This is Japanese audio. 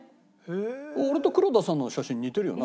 俺と黒田さんの写真似てるよな？